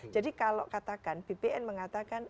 jadi kalau katakan bpn mengatakan